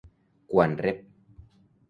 Quan Rev.